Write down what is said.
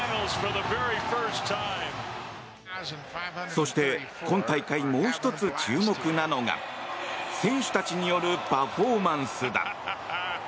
そして今大会もう１つ注目なのが選手たちによるパフォーマンスだ。